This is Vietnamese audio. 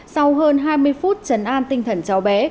sau hơn hai mươi phút chấn an tinh thần cháu bé